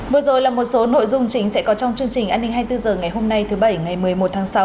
vừa rồi là một số nội dung chính sẽ có trong chương trình an ninh hai mươi bốn h ngày hôm nay thứ bảy ngày một mươi một tháng sáu